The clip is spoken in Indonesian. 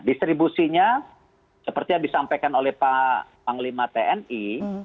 distribusinya seperti yang disampaikan oleh pak panglima tni